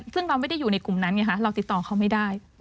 ซึ่งเราไม่ได้อยู่ในกลุ่มนั้นไงคะเราติดต่อเขาไม่ได้